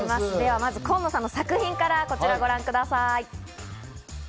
まずコンノさんの作品からご覧ください。